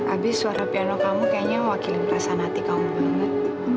abis suara piano kamu kayaknya mewakili perasaan hati kamu banget